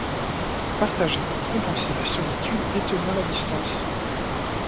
Partager pour compenser la solitude et tenir la distance.